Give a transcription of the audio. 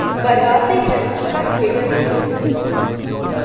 پرواز ہے جنون کا trailer release